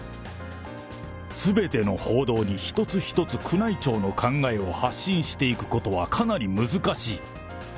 すべての報道に一つ一つ宮内庁の考えを発信していくことはかなり難しい。